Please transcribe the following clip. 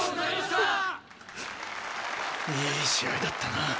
いい試合だったな。